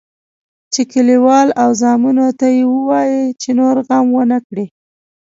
چې کلیوال او زامنو ته یې ووایي چې نور غم ونه کړي.